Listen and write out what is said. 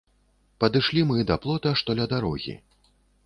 Падышлі мы да плота, што ля дарогі.